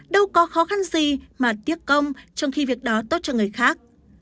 đâu có khó khăn gì mà tiếc công trong khi việc đó tốt cho người khác